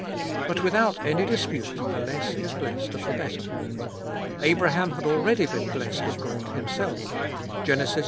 But without any dispute the less is blessed of the better. Abraham had already been blessed of God Himself (Gen. xii. 2).